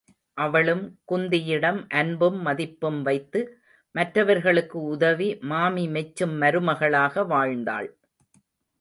அவளும் குந்தி யிடம் அன்பும் மதிப்பும் வைத்து மற்றவர்களுக்கு உதவி மாமி மெச்சும் மருமகளாக வாழ்ந்தாள்.